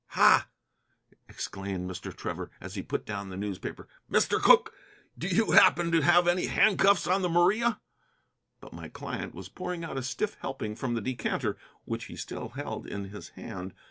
"Ha!" exclaimed Mr. Trevor, as he put down the paper. "Mr. Cooke, do you happen to have any handcuffs on the Maria?" But my client was pouring out a stiff helping from the decanter, which he still held in his hand.